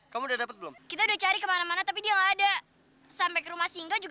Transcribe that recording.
yaudah kita ke pantiasuhan sekarang yuk